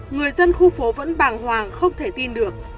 người dân khu phố vẫn bàng hoàng không thể tin được